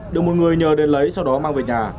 được một người nhờ đến lấy sau đó mang về nhà